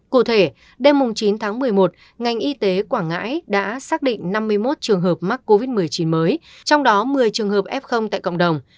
cụ thể đêm chín tháng một mươi một ngành y tế quảng ngãi đã xác định năm mươi một trường hợp mắc covid một mươi chín mới trong đó một mươi trường hợp f tại cộng đồng